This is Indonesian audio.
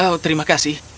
oh terima kasih